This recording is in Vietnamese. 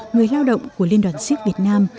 người lao động của liên đoàn siếc việt nam